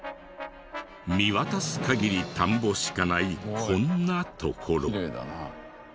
見渡す限り田んぼしかないこんな所。